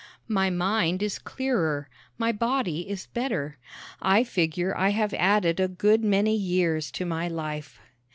My mind is clearer; my body is better. I figure I have added a good many years to my life.